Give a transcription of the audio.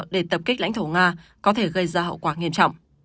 để tập kích lãnh thổ nga có thể gây ra hậu quả nghiêm trọng